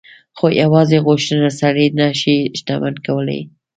خو يوازې غوښتنه سړی نه شي شتمن کولای.